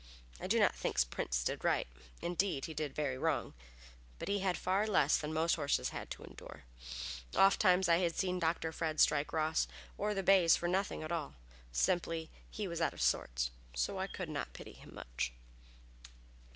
I do not think Prince did right, indeed he did very wrong, but he had far less than most horses have to endure. Oft times I had seen Dr. Fred strike Ross or the bays for nothing at all; simply he was out of sorts, so I could not pity him much.